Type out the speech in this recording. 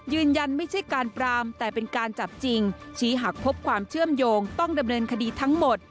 ยืนยันไม่ใช่การปรามแต่เป็นการจับจริงชี้หากพบความเชื่อมโยงต้องดำเนินคดีทั้งหมด